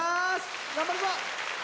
頑張るぞ！